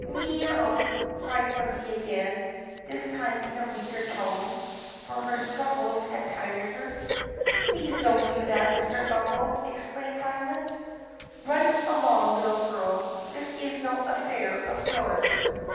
"Mee 'ow!" cried pussy again, this time in a weaker tone, for her struggles had tired her. "Please don't do that, Mr. Grummbel!" exclaimed Violet. "Run along, little girl! This is no affair of yours!"